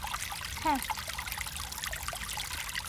হ্যাঁ, সত্যিই তারচেয়ে জটিল।